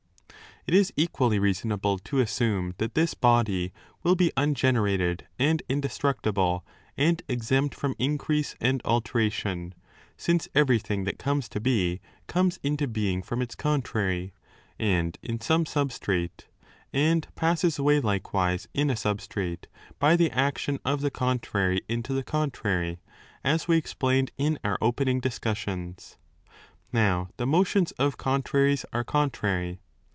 — It is equally reasonable to assume that this body will be ungenerated and indestructible and exempt from increase and alteration, since everything that comes to be comes into being from its contrary and in some substrate, and passes away likewise in a substrate by the action of the contrary into the contrary, as we explained in our opening discussions.' Now the motions of contraries are contrary.